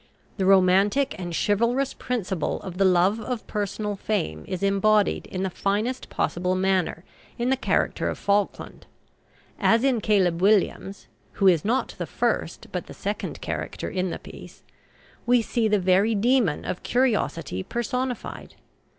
The romantic and chivalrous principle of the love of personal fame is embodied in the finest possible manner in the character of Falkland; as in Caleb Williams (who is not the first, but the second character in the piece), we see the very demon of curiosity personified.